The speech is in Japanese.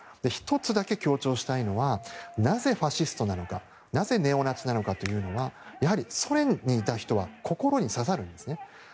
１つだけ強調したいのはなぜファシストなのかなぜネオナチなのかというのはやはりソ連にいた人には心に刺さるんですね。